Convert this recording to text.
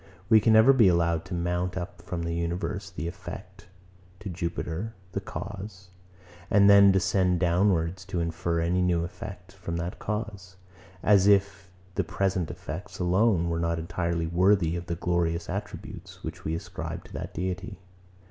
We can never be allowed to mount up from the universe, the effect, to Jupiter, the cause; and then descend downwards, to infer any new effect from that cause; as if the present effects alone were not entirely worthy of the glorious attributes, which we ascribe to that deity.